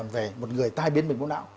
về một người tai biến bệnh bộ não